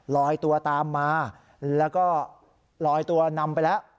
ลอยตัวตามมาแล้วก็ลอยตัวนำไปแล้ว